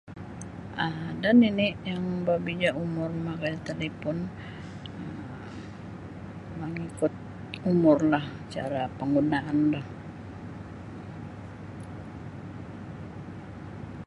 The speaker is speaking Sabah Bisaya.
um Ada nini yang berbeza umur mamakai da talipun um mangikut umurlah cara penggunaan doh.